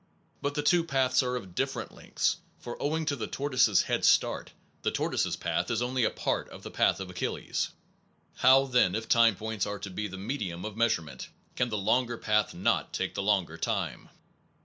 But the two paths are of different lengths; for owing to the tortoise s head start, the tortoise s path is only a part of the path of Achilles. How, then, if time points are to be the medium of measure ment, can the longer path not take the longer time?